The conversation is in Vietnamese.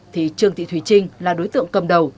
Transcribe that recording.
thì trương thị thùy trinh là đối tượng cầm đầu